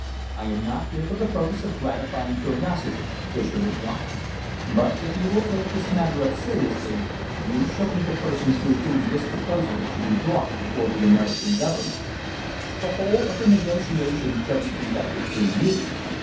"I am not here for the purpose of gratifying curiosity," Fischer replied, "but if you will take this matter up seriously, you shall be the person through whom this proposal shall be brought before the American Government. The whole of the negotiations shall be conducted through you.